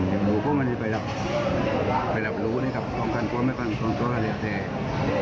เด็กหนูก็ไม่ได้ไปรับรู้ทองกันตัวไม่รับรู้ทองกันตัวเรียบ